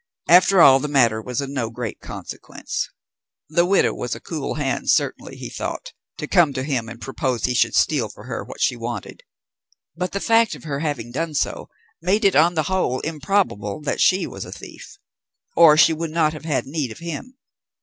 After all, the matter was of no great consequence. The widow was a cool hand, certainly, he thought, to come to him and propose he should steal for her what she wanted; but the fact of her having done so made it on the whole improbable that she was a thief, or she would not have had need of him.